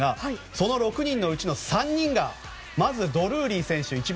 その６人のうちの３人まずドルーリー選手